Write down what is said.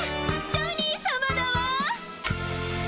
ジョニーさまだわ！